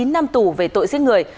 chín năm tù về tội giết người